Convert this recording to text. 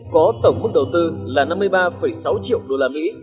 có tổng mức đầu tư là năm mươi ba sáu triệu đô la mỹ